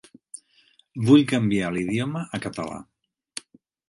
Vull canviar l'idioma a català.